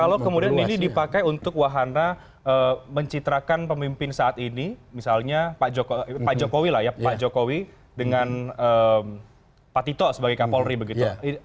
kalau kemudian ini dipakai untuk wahana mencitrakan pemimpin saat ini misalnya pak jokowi dengan pak tito sebagai kapolri begitu